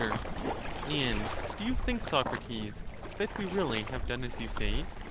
Sir. And do you think, Socrates, that we really have stranger, done as you say ?